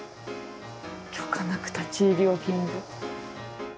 「許可なく立ち入りを禁ず」。